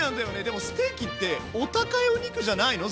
でもステーキってお高いお肉じゃないの？